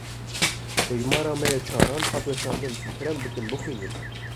Hejmara me ya çaran hat weşandin. Kerem bikin bixwînin.